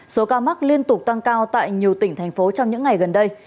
số ca mắc liên tục tăng cao tại nhiều tỉnh thành phố trong những ngày gần đây